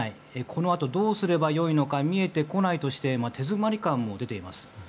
このあと、どうすれば良いのか見えてこないとして手詰まり感も出ています。